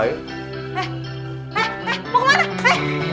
eh eh eh mau kemana